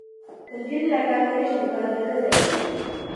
که نجونې ناکامې نه شي نو کال به نه ضایع کیږي.